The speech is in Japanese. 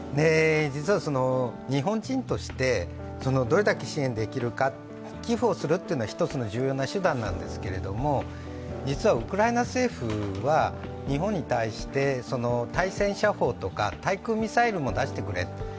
実は日本人としてどれだけ支援できるか、寄付をするというのは一つの重要な手段なんですけれども、実はウクライナ政府は日本に対して対戦車砲とか対空ミサイルも出してくれと。